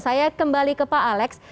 saya kembali ke pak alex